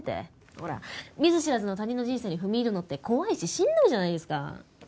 ほら見ず知らずの他人の人生に踏み入るのって怖いししんどいじゃないですか。